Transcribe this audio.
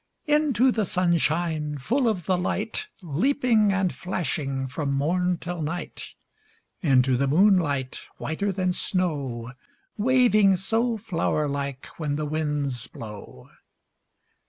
Into the sunshine, Full of the light, Leaping and flashing From morn till night! Into the moonlight, Whiter than snow, Waving so flower like When the winds blow!